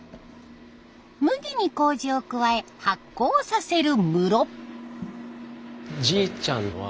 麦にこうじを加え発酵させる室。